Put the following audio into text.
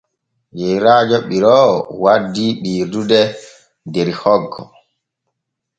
Yeerajo ɓiroowo wandi ɓiirude der hoggo.